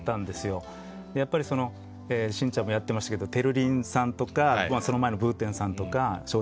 やっぱりその信ちゃんもやってましたけどテルリンさんとかその前の舞天さんとか笑